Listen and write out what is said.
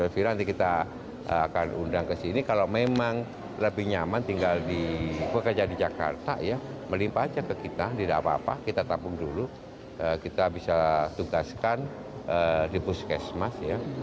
vira nanti kita akan undang ke sini kalau memang lebih nyaman tinggal di pekerja di jakarta ya melimpah aja ke kita tidak apa apa kita tabung dulu kita bisa tugaskan di puskesmas ya